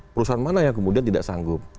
perusahaan mana yang kemudian tidak sanggup